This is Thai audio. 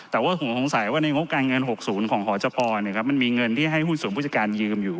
แต่ว่าผมสงสัยว่าในงบการเงิน๖๐ของหอจพรมันมีเงินที่ให้หุ้นส่วนผู้จัดการยืมอยู่